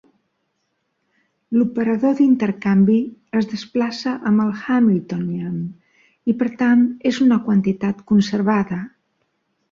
L'operador d'intercanvi es desplaça amb el Hamiltonian, i per tant és una quantitat conservada.